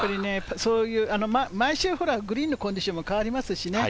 毎週グリーンのコンディションも変わりますしね。